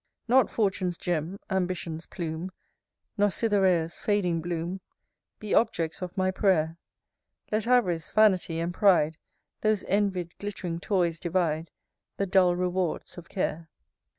VI. Not Fortune's gem, Ambition's plume, Nor Cytherea's fading bloom, Be objects of my prayer: Let av'rice, vanity, and pride, Those envy'd glitt'ring toys divide, The dull rewards of care.